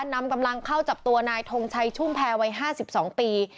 นำกำลังเข้าจับตัวนายทงชัยชุ่มแพรวัย๕๒ปี